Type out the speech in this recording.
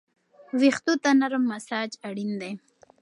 ویښتو ته نرمه مساج اړین دی.